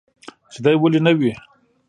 چې دى ولي نه وي.